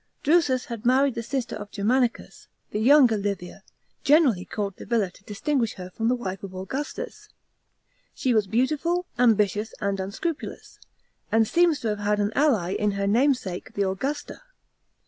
Drusus had married the sister of Germanicus, the younger Livia, generally called Livilla to dis tinguish her from the wife of Augustus. She was beautiful, ambitious, and unscrupulous, and seems to have had an ally in her namesake, the Augusta.